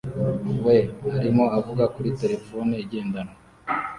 we; arimo avuga kuri terefone igendanwa